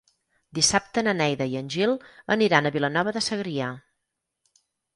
Dissabte na Neida i en Gil aniran a Vilanova de Segrià.